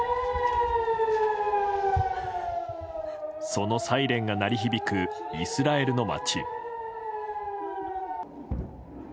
そのサイレンが鳴り響くイスラエルの街。